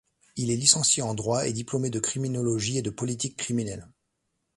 Il est licencié en droit et diplômé de criminologie et de politique criminelle.